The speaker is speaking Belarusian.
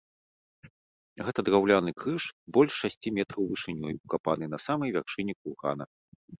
Гэта драўляны крыж, больш шасці метраў вышынёй, укапаны на самай вяршыні кургана.